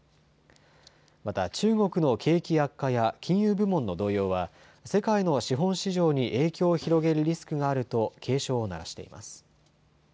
また中国の景気悪化や金融部門の動揺は世界の資本市場に影響を広げるリスクがあると警鐘を鳴らしています。